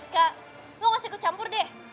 kak lo nggak usah kecampur deh